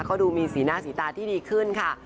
เขาดูมีสีหน้าสีตาที่ดีขึ้นค่ะ